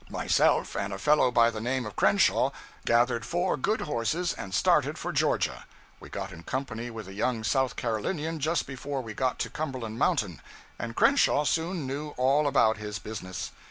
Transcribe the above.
'Myself and a fellow by the name of Crenshaw gathered four good horses and started for Georgia. We got in company with a young South Carolinian just before we got to Cumberland Mountain, and Crenshaw soon knew all about his business.